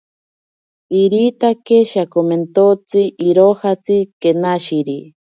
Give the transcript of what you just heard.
Iritake shiakomentotsi irojatsi kenashiri.